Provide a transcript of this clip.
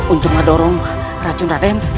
untuk mendorong racun raden